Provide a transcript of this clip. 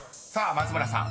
松村さん］